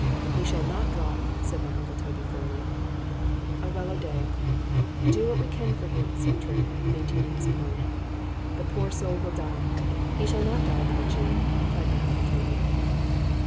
——He shall not drop, said my uncle Toby, firmly.——A well o'day,—do what we can for him, said Trim, maintaining his point,—the poor soul will die:——He shall not die, by G—, cried my uncle _Toby.